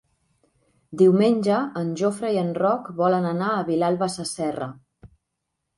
Diumenge en Jofre i en Roc volen anar a Vilalba Sasserra.